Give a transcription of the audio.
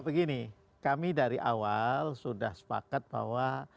begini kami dari awal sudah sepakat bahwa